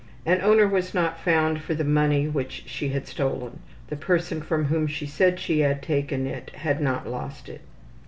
An owner was not found for the money which she had stolen. The person from whom she said she had taken it had not lost it.